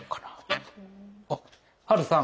あっハルさん！